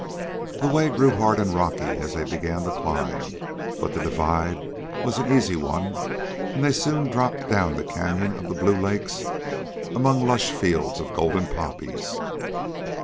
The way grew hard and rocky as they began to climb, but the divide was an easy one, and they soon dropped down the canyon of the Blue Lakes among lush fields of golden poppies.